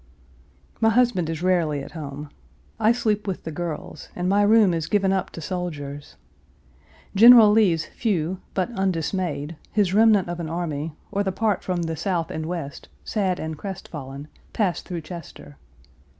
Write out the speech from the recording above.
My husband is rarely at home. I sleep with the girls, and my room is given up to soldiers. General Lee's few, but undismayed, his remnant of an army, or the part from the South and West, sad and crestfallen, pass through Chester.